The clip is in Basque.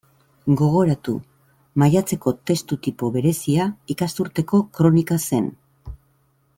Gogoratu; maiatzeko testu tipo berezia ikasturteko kronika zen.